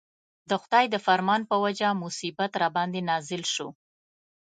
د خدای د فرمان په وجه مصیبت راباندې نازل شو.